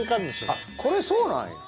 あっこれそうなんや。